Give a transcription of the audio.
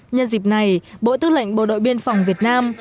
nhân dịp này bộ tư lệnh bộ đội biên phòng việt nam